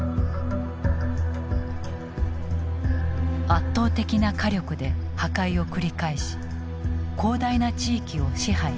圧倒的な火力で破壊を繰り返し広大な地域を支配した。